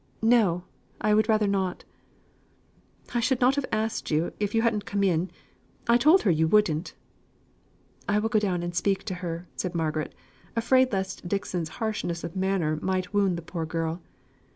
No! I would rather not." "I should never have asked you, if you hadn't come in. I told her you wouldn't." "I will go down and speak to her," said Margaret, afraid lest Dixon's harshness of manner might wound the poor girl.